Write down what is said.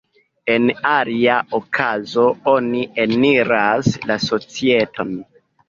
En alia okazo oni eniras la societon.